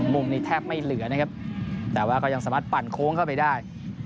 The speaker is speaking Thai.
มุมนี้แทบไม่เหลือนะครับแต่ว่าก็ยังสามารถปั่นโค้งเข้าไปได้